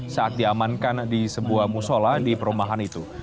saat diamankan di sebuah musola di perumahan itu